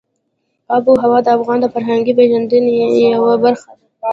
آب وهوا د افغانانو د فرهنګي پیژندنې یوه برخه ده.